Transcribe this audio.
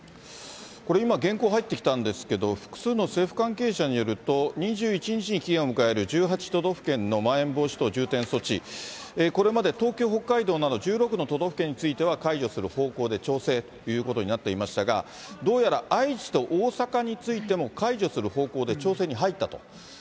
これ今、原稿入ってきたんですけど、複数の政府関係者によると、２１日に期限を迎える１８都道府県のまん延防止等重点措置、これまで東京、北海道など、１６の都道府県については、解除する方向で調整ということになっていましたが、どうやら愛知と大阪についても解除する方向で調整に入ったと。